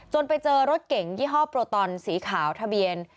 ไปเจอรถเก่งยี่ห้อโปรตอนสีขาวทะเบียน